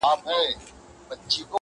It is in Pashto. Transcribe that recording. پرېږده د خوار ژوند ديوه گړي سخا واخلمه_